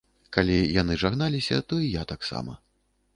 Калі яны жагналіся, то і я таксама.